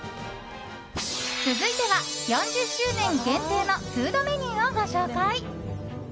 続いては、４０周年限定のフードメニューをご紹介。